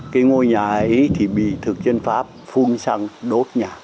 cái ngôi nhà ấy thì bị thực dân pháp phun xăng đốt nhà